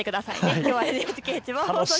きょうはＮＨＫ千葉放送局